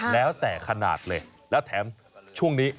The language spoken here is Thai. แล้วแต่ขนาดเลยแล้วแถมช่วงนี้